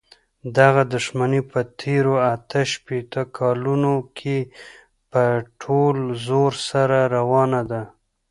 دغه دښمني په تېرو اته شپېتو کالونو کې په ټول زور سره روانه ده.